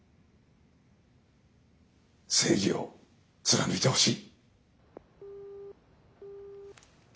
正義を貫いてほしい。